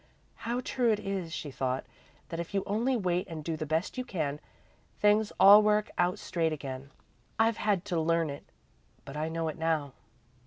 "How true it is," she thought, "that if you only wait and do the best you can, things all work out straight again. I've had to learn it, but I know it now."